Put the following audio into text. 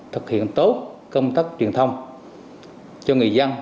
thực hiện tốt công tác truyền thông cho người dân